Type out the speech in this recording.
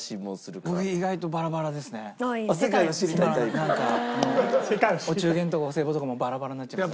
なんかお中元とかお歳暮とかもバラバラになっちゃいます。